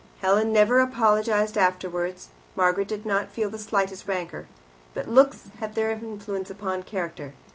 Helen never apologized afterwards, Margaret did not feel the slightest rancour. But looks have their influence upon character.